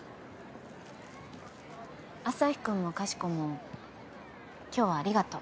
アサヒくんもかしこも今日はありがとう。